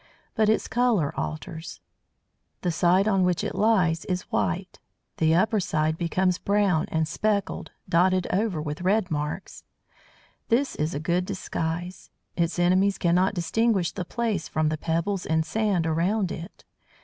But its colour alters. The side on which it lies is white; the upper side becomes brown and speckled, dotted over with red marks. This is a good disguise. Its enemies cannot distinguish the Plaice from the pebbles and sand around it.